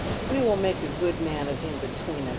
" We will make a good man of him between us.